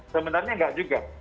sebenarnya gak juga